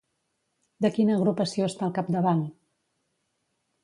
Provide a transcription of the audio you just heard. De quina agrupació està al capdavant?